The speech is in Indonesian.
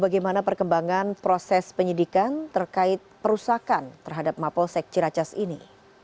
bagaimana perkembangan proses penyidikan terkait perusakan terhadap mapolsek ciracas ini